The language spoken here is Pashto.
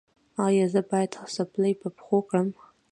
ایا زه باید څپلۍ په پښو کړم؟